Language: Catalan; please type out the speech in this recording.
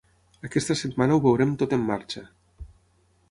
Aquesta setmana ho veurem tot en marxa.